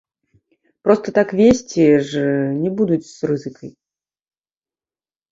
Проста так везці ж не будуць з рызыкай.